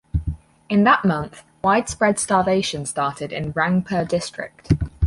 In that month widespread starvation started in Rangpur district.